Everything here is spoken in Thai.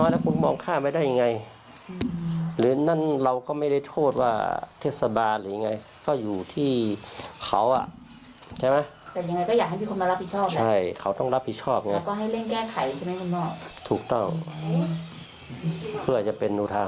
ถูกต้องเพื่อจะเป็นอุทาหรรัตกับคนอื่น